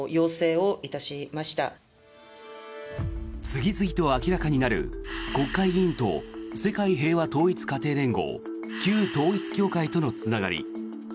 次々と明らかになる国会議員と世界平和統一家庭連合旧統一教会とのつながり。